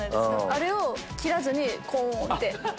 あれを切らずにコン！って。